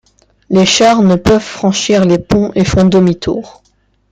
Les chars ne peuvent franchir les ponts et font demi-tour.